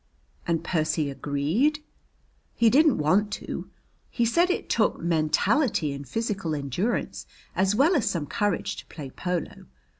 "And Percy agreed?" "He didn't want to. He said it took mentality and physical endurance as well as some courage to play polo.